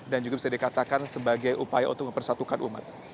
dan juga bisa dikatakan sebagai upaya untuk mempersatukan umat